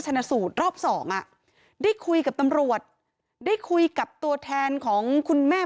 ชนะสูตรรอบสองอ่ะได้คุยกับตำรวจได้คุยกับตัวแทนของคุณแม่